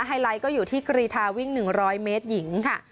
ไลท์ก็อยู่ที่กรีทาวิ่ง๑๐๐เมตรหญิงค่ะ